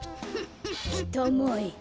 きたまえ。